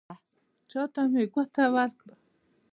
چې چا ته مې ګوته ورکړه،